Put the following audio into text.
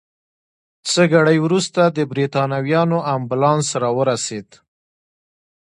څه ګړی وروسته د بریتانویانو امبولانس راورسېد.